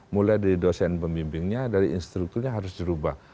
mulai dari dosen pemimpinnya dari instrukturnya harus dirubah